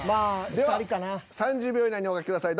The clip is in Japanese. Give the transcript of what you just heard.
では３０秒以内にお書きください。